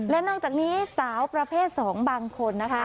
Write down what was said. และนอกจากนี้สาวประเภท๒บางคนนะคะ